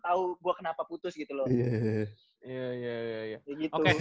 tahu gue kenapa putus gitu loh